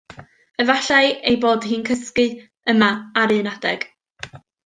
Efallai ei bod hi'n cysgu yma ar un adeg.